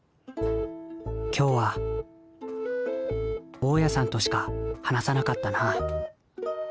今日は大家さんとしか話さなかったなあ